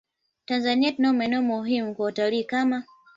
Tanzania tunayo maeneo muhimu kwa utalii kama